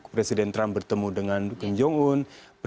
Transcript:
presiden trump bertemu dengan king jong un